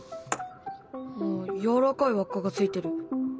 やわらかい輪っかが付いている。